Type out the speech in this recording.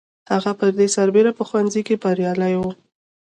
هغه پر دې سربېره په ښوونځي کې بریالی و